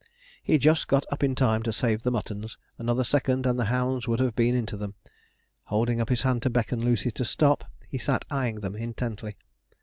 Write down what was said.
He just got up in time to save the muttons; another second and the hounds would have been into them. Holding up his hand to beckon Lucy to stop, he sat eyeing them intently.